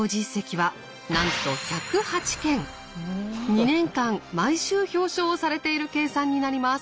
２年間毎週表彰をされている計算になります。